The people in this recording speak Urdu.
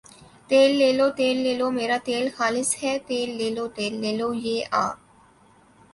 تیل لے لو ، تیل لے لو میرا تیل خالص ھے تیل لے لو تیل لے لو یہ آ